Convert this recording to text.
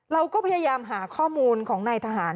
เราก็พยายามหาข้อมูลของนายทหาร